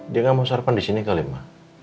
dia nggak mau sarapan disini kali ya